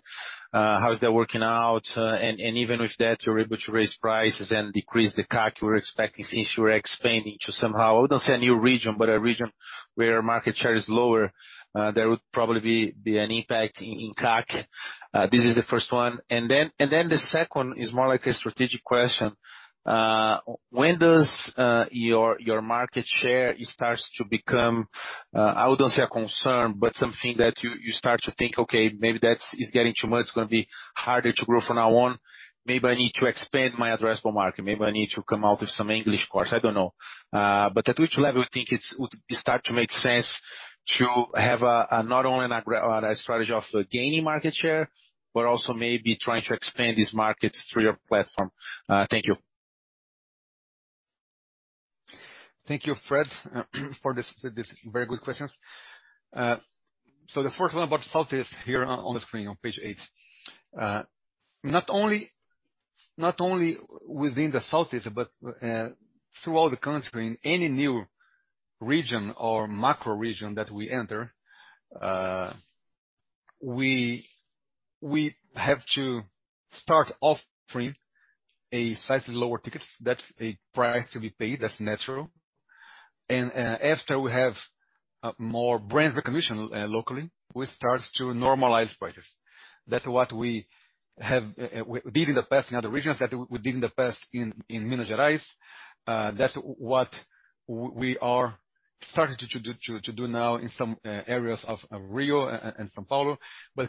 How is that working out? Even with that, you're able to raise prices and decrease the CAC you were expecting since you are expanding to somehow, I wouldn't say a new region, but a region where market share is lower, there would probably be an impact in CAC. This is the first one. The second is more like a strategic question. When does your market share starts to become, I wouldn't say a concern, but something that you start to think, "Okay, maybe that is getting too much. It's gonna be harder to grow from now on. Maybe I need to expand my addressable market. Maybe I need to come out with some English course. I don't know. At which level do you think would start to make sense to have a not only a strategy of gaining market share, but also maybe trying to expand this market through your platform? Thank you. Thank you, Fred Mendes, for these very good questions. The first one about Southeast here on the screen on page eight. Not only within the Southeast, but throughout the country, any new region or macro region that we enter, we have to start offering a slightly lower tickets. That's a price to be paid. That's natural. After we have more brand recognition, locally, we start to normalize prices. That's what we have did in the past in other regions, that we did in the past in Minas Gerais. That's what we are starting to do now in some areas of Rio and São Paulo.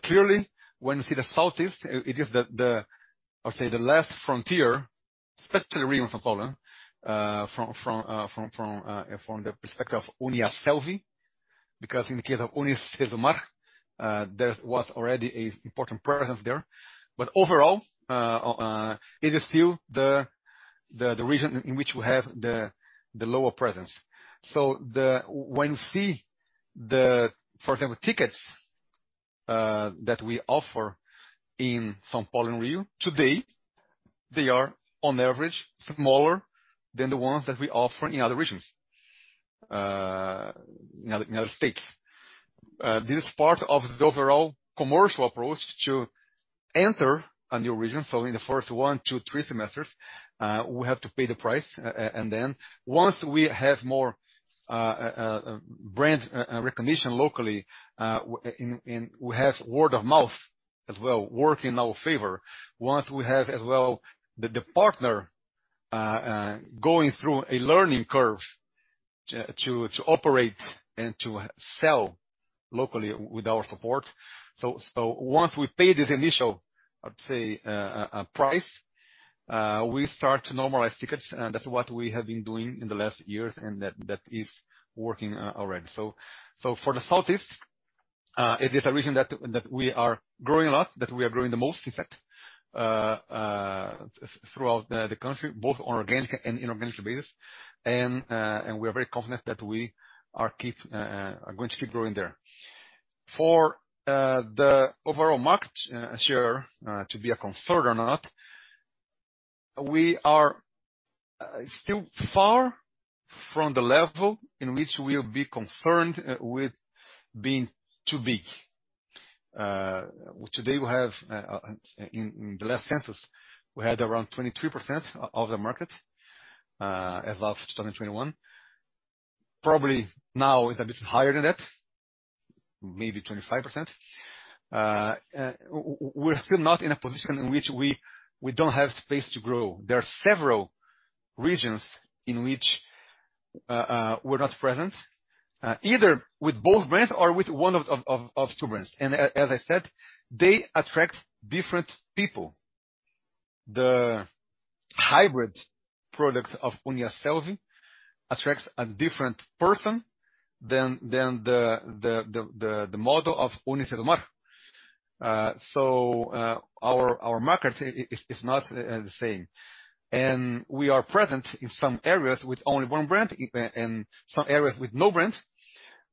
Clearly, when you see the Southeast, it is the, I'll say, the last frontier, especially Rio and São Paulo, from the perspective of UNIASSELVI. In the case of UniCesumar, there was already a important presence there. Overall, it is still the region in which we have the lower presence. When you see the, for example, tickets, that we offer in São Paulo and Rio today, they are on average smaller than the ones that we offer in other regions. In other states. This is part of the overall commercial approach to enter a new region. In the first one to three semesters, we have to pay the price. Then once we have more brand recognition locally, and we have word of mouth as well, working in our favor. Once we have as well the partner going through a learning curve to operate and to sell locally with our support. Once we pay this initial, I'd say, a price, we start to normalize tickets. That's what we have been doing in the last years and that is working already. For the Southeast, it is a region that we are growing a lot, that we are growing the most in fact, throughout the country, both on organic and inorganic basis. And we are very confident that we are going to keep growing there. For the overall market share to be a concern or not, we are still far from the level in which we'll be concerned with being too big. Today we have in the last census, we had around 23% of the market as of 2021. Probably now it's a bit higher than that, maybe 25%. We're still not in a position in which we don't have space to grow. There are several regions in which we're not present either with both brands or with one of two brands. As I said, they attract different people. The hybrid product of UNIASSELVI attracts a different person than the model of UniCesumar. Our market is not the same. We are present in some areas with only one brand, even in some areas with no brands.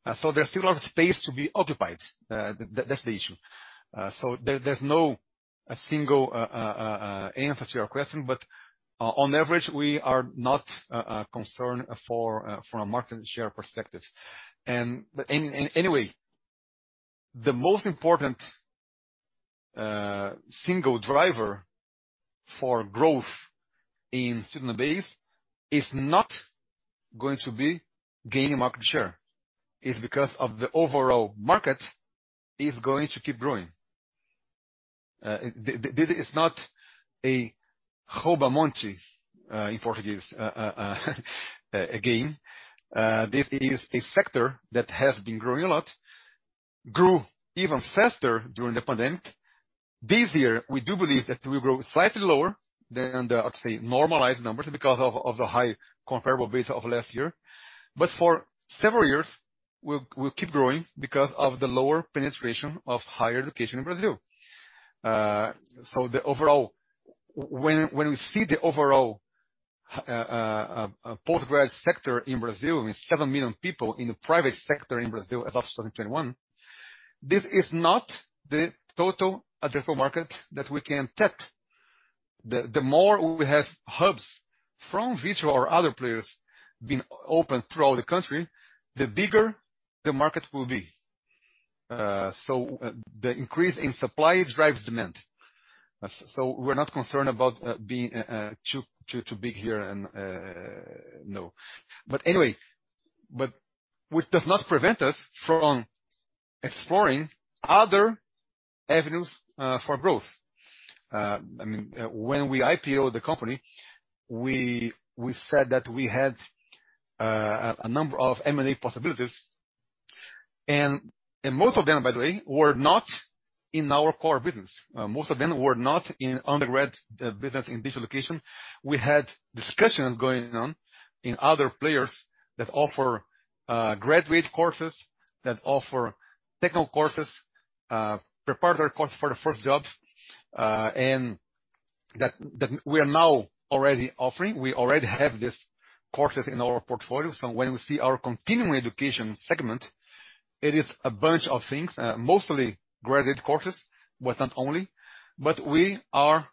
There's still a lot of space to be occupied. That's the issue. There's no a single answer to your question, but on average, we are not concerned from a market share perspective. Anyway, the most important single driver for growth in student base is not going to be gaining market share. It's because of the overall market is going to keep growing. This is not a rouba-monte in Portuguese again. This is a sector that has been growing a lot, grew even faster during the pandemic. This year, we do believe that we'll grow slightly lower than the, I'd say, normalized numbers because of the high comparable base of last year. For several years we'll keep growing because of the lower penetration of higher education in Brazil. When we see the overall post-grad sector in Brazil with seven million people in the private sector in Brazil as of 2021, this is not the total addressable market that we can tap. The more we have hubs from Vitru or other players being opened throughout the country, the bigger the market will be. The increase in supply drives demand. We're not concerned about being too big here and no. Anyway. Which does not prevent us from exploring other avenues for growth. I mean, when we IPO the company, we said that we had a number of M&A possibilities. Most of them, by the way, were not in our core business. Most of them were not in undergrad business in digital location. We had discussions going on in other players that offer graduate courses, that offer technical courses, preparatory course for the first jobs, and that we are now already offering. We already have these courses in our portfolio. When we see our continuing education segment, it is a bunch of things, mostly graduate courses, but not only. We are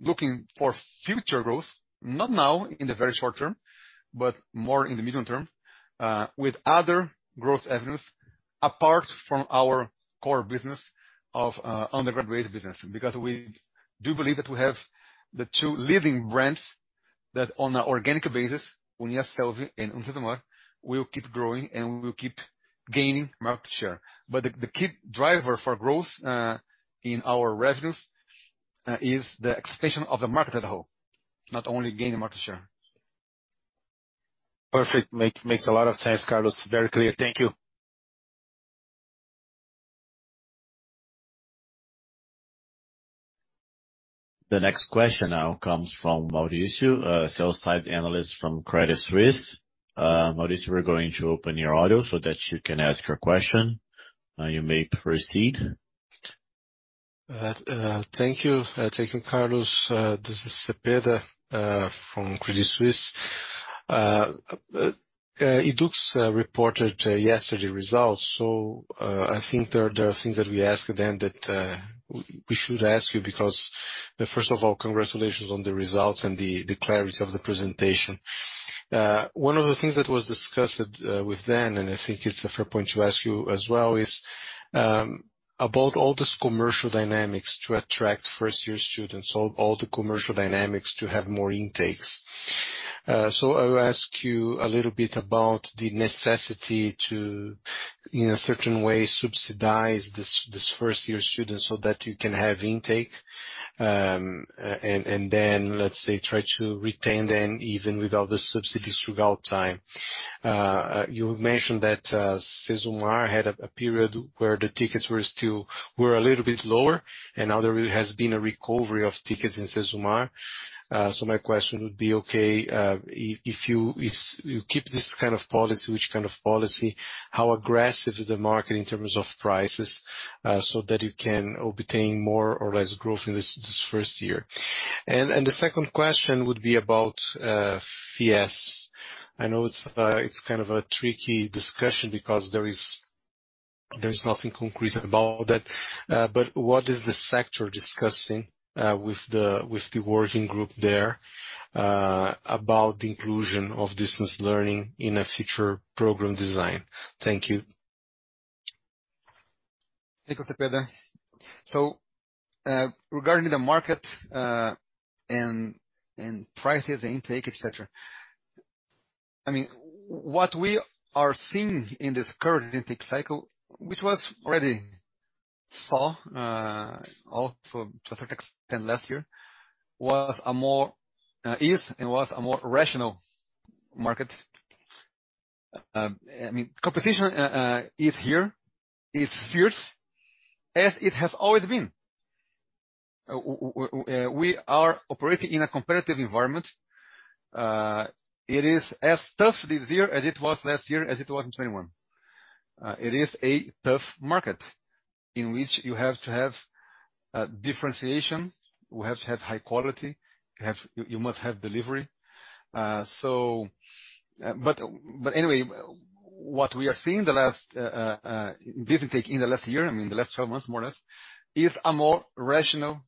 looking for future growth, not now in the very short term, but more in the medium term, with other growth avenues apart from our core business of undergraduate business. We do believe that we have the two leading brands that on an organic basis, UNIASSELVI and UniCesumar, will keep growing and we will keep gaining market share. The key driver for growth, in our revenues, is the expansion of the market as a whole, not only gaining market share. Perfect. makes a lot of sense, Carlos. Very clear. Thank you. The next question now comes from Mauricio, sell-side analyst from Credit Suisse. Mauricio, we're going to open your audio so that you can ask your question. You may proceed. Thank you. Thank you, Carlos. This is Cepeda from Credit Suisse. Educs reported yesterday results. I think there are things that we asked then that we should ask you because. First of all, congratulations on the results and the clarity of the presentation. One of the things that was discussed with them, and I think it's a fair point to ask you as well, is about all this commercial dynamics to attract first-year students, all the commercial dynamics to have more intakes. I will ask you a little bit about the necessity to, in a certain way, subsidize this first-year students so that you can have intake. Then, try to retain them even without the subsidies throughout time. You mentioned that Cesumar had a period where the tickets were a little bit lower, and now there has been a recovery of tickets in Cesumar. My question would be, okay, if you keep this kind of policy, which kind of policy, how aggressive is the market in terms of prices, so that you can obtain more or less growth in this first year? The second question would be about FIES. I know it's kind of a tricky discussion because there is, there is nothing concrete about that. What is the sector discussing, with the, with the working group there, about the inclusion of distance learning in a future program design? Thank you. Thank you, Cepeda. Regarding the market, and prices and intake, et cetera. I mean, what we are seeing in this current intake cycle, which was already saw, also to a certain extent last year, was a more, is and was a more rational market. I mean, competition, is here, is fierce, as it has always been. We are operating in a competitive environment. It is as tough this year as it was last year, as it was in 2021. It is a tough market in which you have to have differentiation. We have to have high quality. You must have delivery. Anyway, what we are seeing the last, this intake in the last year, I mean, the last 12 months, more or less, is a more rational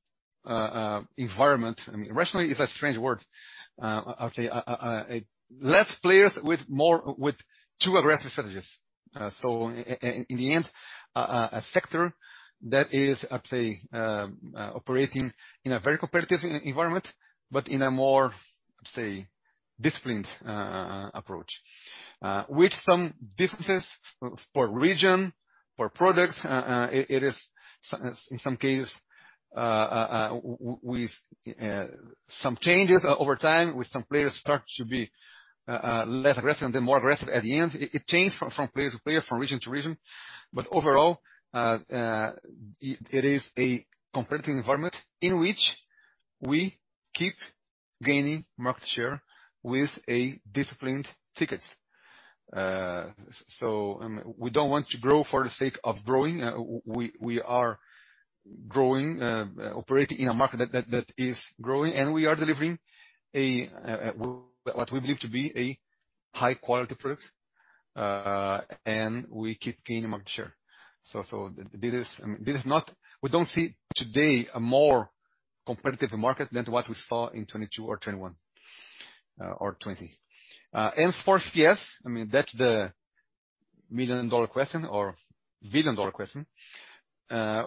environment. I mean, rational is a strange word. I'll say, less players with too aggressive strategies. In the end, a sector that is, I'd say, operating in a very competitive environment, but in a more, say, disciplined approach. With some differences for region, for products. It is, in some case, with some changes over time, with some players start to be less aggressive, then more aggressive at the end. It changed from player to player, from region to region. Overall, it is a competitive environment in which we keep gaining market share with a disciplined tickets. We don't want to grow for the sake of growing. We are growing, operating in a market that is growing, and we are delivering what we believe to be a high quality product. We keep gaining market share. This is, I mean, this is not, we don't see today a more competitive market than what we saw in 2022 or 2021 or 2020. As for FIES, I mean, that's the million dollar question or billion dollar question. Our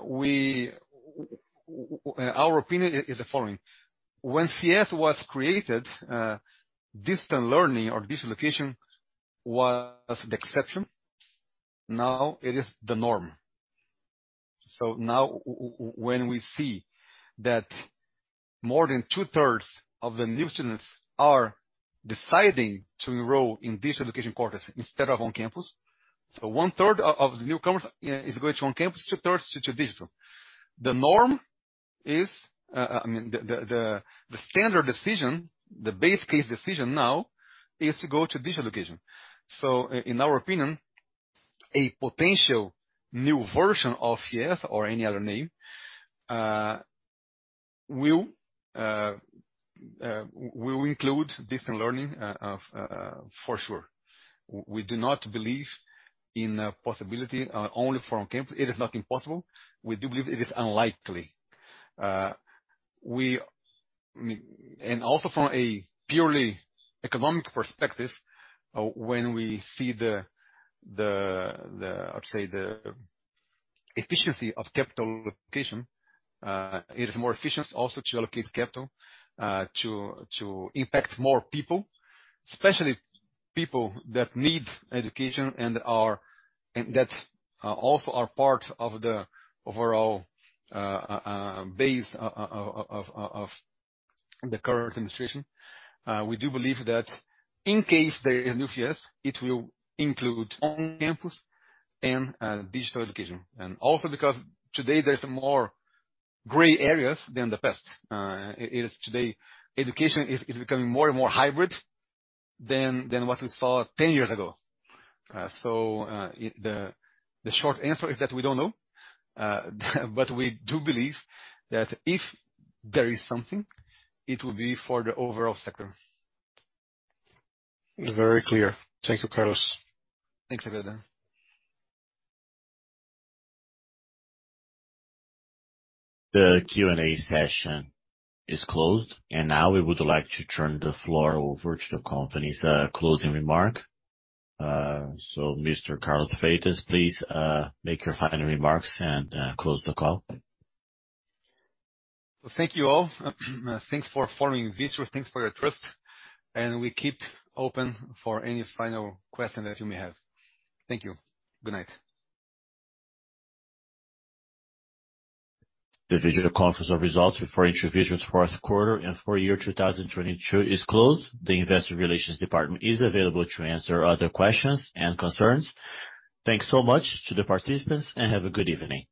opinion is the following. When FIES was created, distant learning or digital education was the exception. Now it is the norm. Now when we see that more than two-thirds of the new students are deciding to enroll in digital education courses instead of on campus. One-third of the newcomers, you know, is going to on campus, two-thirds to digital. The norm is, I mean, the standard decision, the base case decision now is to go to digital education. In our opinion, a potential new version of FIES or any other name will include different learning for sure. We do not believe in a possibility only for on campus. It is not impossible. We do believe it is unlikely. Also from a purely economic perspective, when we see the, the, I would say, the efficiency of capital allocation, it is more efficient also to allocate capital to impact more people, especially people that need education and that also are part of the overall, base of the current administration. We do believe that in case there is a new FIES, it will include on-campus and digital education. Also because today there's more gray areas than the past. It is today, education is becoming more and more hybrid than what we saw 10 years ago. The short answer is that we don't know. We do believe that if there is something, it will be for the overall sector. Very clear. Thank you, Carlos. Thanks, Cepeda. The Q&A session is closed. Now we would like to turn the floor over to the company's closing remark. Mr. Carlos Freitas, please, make your final remarks and close the call. Thank you all. Thanks for following Vitru. Thanks for your trust. We keep open for any final question that you may have. Thank you. Good night. The video conference of results for each Vitru's Q4 and for year 2022 is closed. The investor relations department is available to answer other questions and concerns. Thanks so much to the participants and have a good evening.